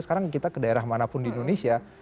sekarang kita ke daerah mana pun di indonesia